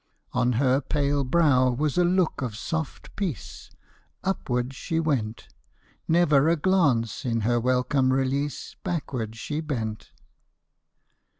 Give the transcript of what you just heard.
On her pale brow was a look of soft peace. Upward she went ; Never a glance in her welcome release Backward she bent.